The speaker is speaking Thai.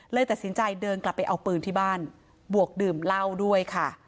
เลยตัดสินใจเดินกลับไปเอาปืนที่บ้านบวกดื่มเหล้าด้วยค่ะ